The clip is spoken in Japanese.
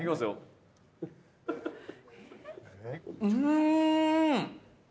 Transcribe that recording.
うん！